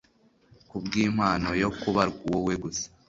kubwimpano yo kuba wowe gusa